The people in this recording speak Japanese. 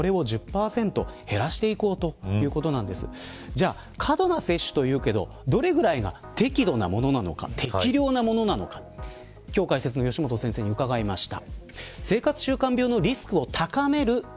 じゃあ、過度な摂取というけどどれぐらいが適量なものなのか今日解説の吉本先生に伺いました。